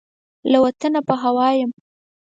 له وطنه په هوا یم